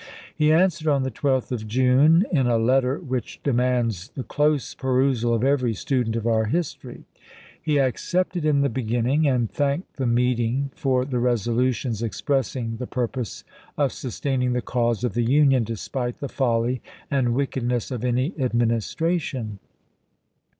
He answered on the 12th of June, in a letter which demands the close perusal of every student of our history. He accepted in the beginning, and thanked the meeting for the resolutions expressing the pur pose of sustaining the cause of the Union despite the folly and wickedness of any administration.